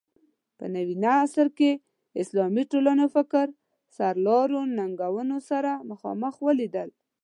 په نوي عصر کې اسلامي ټولنو فکر سرلارو ننګونو سره مخامخ ولیدل